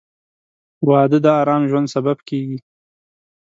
• واده د ارام ژوند سبب کېږي.